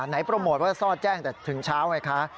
โปรโมทว่าซ่อแจ้งแต่ถึงเช้าไงคะ